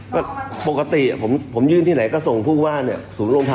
ปกติอะผมผมยื่นที่ไหนก็ทรงผู้ว่าเนี้ยสูนุนโรงทำ